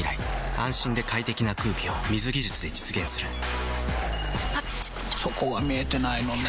安心で快適な空気を水技術で実現するピピピッあっちょそこは見えてないのね。